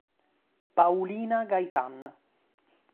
Paulina Gaitán